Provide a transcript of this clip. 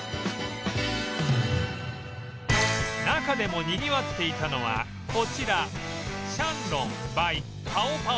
中でもにぎわっていたのはこちら ＰＡＯＰＡＯ。